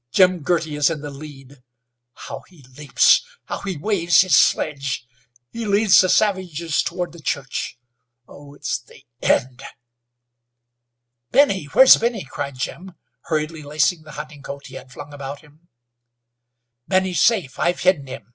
Jim Girty is in the lead. How he leaps! How he waves his sledge! He leads the savages toward the church. Oh! it's the end!" "Benny? Where's Benny?" cried Jim, hurriedly lacing the hunting coat he had flung about him. "Benny's safe. I've hidden him.